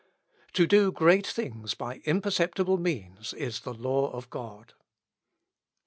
To do great things by imperceptible means is the law of God.